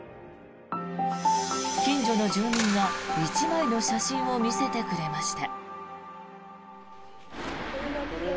近所の住民が１枚の写真を見せてくれました。